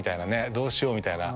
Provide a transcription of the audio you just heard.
どうしよう？みたいな。